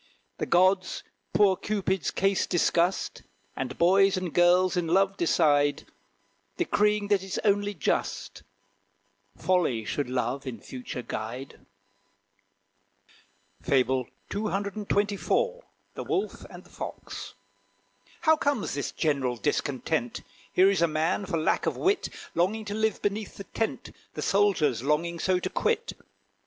The gods poor Cupid's case discussed, And boys and girls in love decide, Decreeing that it's only just, Folly should Love in future guide. FABLE CCXXIV. THE WOLF AND THE FOX. How comes this general discontent? Here is a man, for lack of wit, Longing to live beneath the tent The soldier's longing so to quit.